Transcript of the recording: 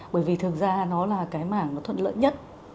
bởi vì thực ra nó là cái mảng nó thuận lợi nhất